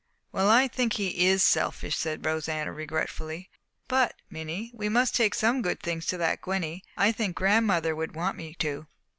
"Well, I think he is selfish," said Rosanna regretfully. "But, Minnie, we must take some good things to that Gwenny. I think grandmother would want me to."